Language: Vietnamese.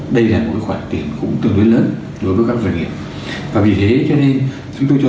đây là một khoản tiền cũng tương đối lớn đối với các doanh nghiệp và vì thế cho nên chúng tôi cho